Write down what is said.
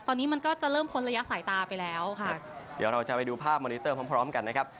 ตอนนี้มันก็จะเริ่มพ้นระยะสายตาไปแล้วค่ะเดี๋ยวเราจะไปดูภาพมอนิเตอร์พร้อมพร้อมกันนะครับ